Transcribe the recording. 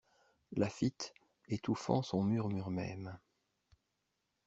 Laffitte, étouffant son murmure même.